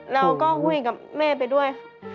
เราก็คุยกับแม่ไปด้วย